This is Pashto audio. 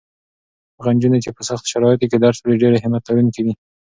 هغه نجونې چې په سختو شرایطو کې درس لولي ډېرې همت لرونکې دي.